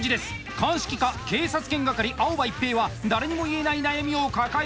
鑑識課警察犬係青葉一平は誰にも言えない悩みを抱えていました。